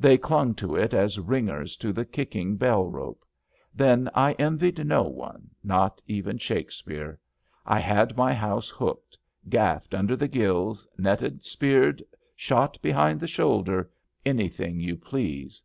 They clung to it as ringers to the kicking bell rope. Then I ienvied no one — ^not even Shakespeare. I had my house hooked — gaffed under the gills, netted, speared, shot behind the shoulder — anything yon please.